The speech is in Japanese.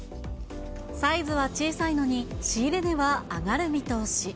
サイズは小さいのに、仕入れ値は上がる見通し。